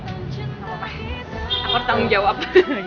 nggak apa apa aku harus tanggung jawab